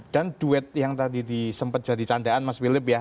dan duet yang tadi disempat jadi candaan mas philip ya